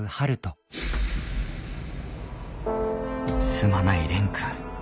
すまない蓮くん。